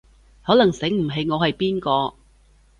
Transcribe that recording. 可能醒唔起我係邊個